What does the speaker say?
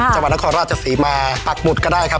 จังหวัดนครราชศรีมาปักหุดก็ได้ครับ